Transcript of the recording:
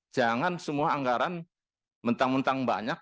jangan semua anggaran mentang mentang banyak